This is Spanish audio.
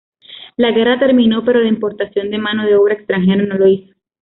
La guerra terminó, pero la importación de mano de obra extranjera no lo hizo.